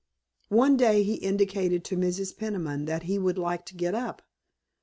One day he indicated to Mrs. Peniman that he would like to get up.